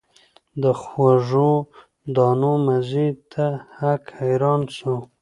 د خوږو دانو مزې ته هک حیران سو